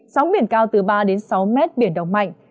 sóng biển cao từ ba đến sáu mét biển động mạnh